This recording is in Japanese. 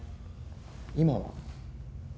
今は？